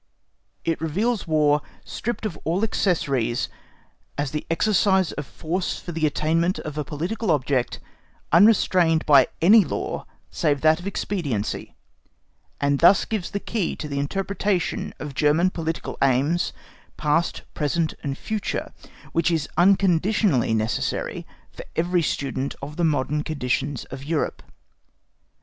It reveals "War," stripped of all accessories, as the exercise of force for the attainment of a political object, unrestrained by any law save that of expediency, and thus gives the key to the interpretation of German political aims, past, present, and future, which is unconditionally necessary for every student of the modern conditions of Europe.